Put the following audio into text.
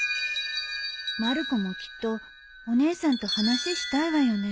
まる子もきっとお姉さんと話したいわよね